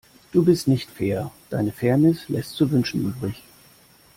Du bist nicht fair, deine Fairness lässt zu wünschen übrig.